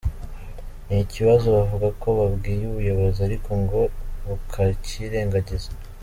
Ni ikibazo bavuga ko babwiye ubuyobozi ariko ngo bukakirengagiza.